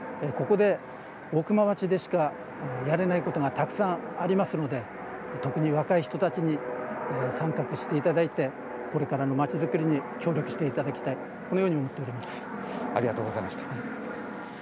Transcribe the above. ここで、大熊町でしかやれないことがたくさんありますので、特に若い人たちに参画していただいて、これからのまちづくりに協力していただきたい、このように思ってありがとうございました。